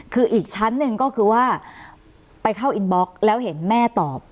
คืออีกชั้นหนึ่งก็คือว่าไปเข้าอินบล็อกแล้วเห็นแม่ตอบ